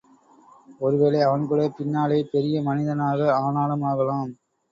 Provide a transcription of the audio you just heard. ஒரு வேளை அவன்கூட பின்னாலே பெரிய மனிதனாக ஆனாலும் ஆகலாம்.